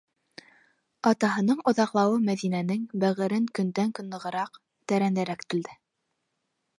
Атаһының оҙаҡлауы Мәҙинәнең бәғерен көндән-көн нығыраҡ, тәрәнерәк телде.